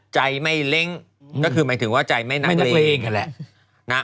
ใจไม่เล้งก็คือหมายถึงว่าใจไม่น้ำมันมักเล่นกันแหละน่ะ